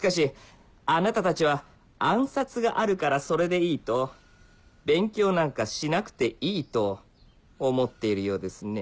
あなたたちは「暗殺があるからそれでいい」と勉強なんかしなくていいと思っているようですね